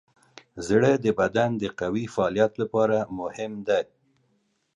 زړه د بدن د قوي فعالیت لپاره مهم دی.